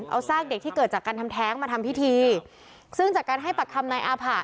เอาซากเด็กที่เกิดจากการทำแท้งมาทำพิธีซึ่งจากการให้ปากคำนายอาผะ